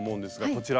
こちら。